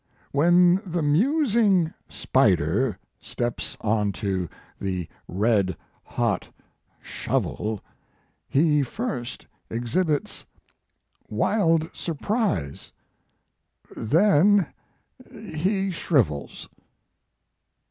"When the musing spider steps on to the red hot shovel, he first exhibits wild surprise, then he shrivels.